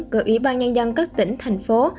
của ủy ban nhân dân các tỉnh thành phố